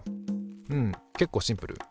うんけっこうシンプル。